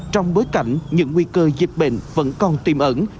trong bối cảnh những nguy cơ dịch bệnh vẫn còn tiềm ẩn